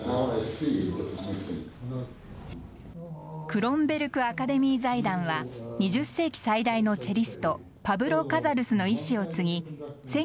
クロンベルク・アカデミー財団は２０世紀最大のチェリストパブロ・カザルスの遺志を継ぎ